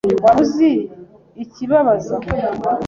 Waba uzi ikibabaza ?